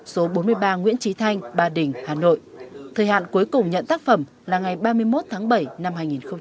số bốn mươi ba nguyễn trí thanh ba đình hà nội thời hạn cuối cùng nhận tác phẩm là ngày ba mươi một tháng bảy năm hai nghìn hai mươi